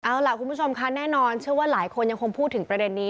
เอาล่ะคุณผู้ชมค่ะแน่นอนเชื่อว่าหลายคนยังคงพูดถึงประเด็นนี้